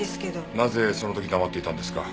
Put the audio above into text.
なぜその時黙っていたんですか？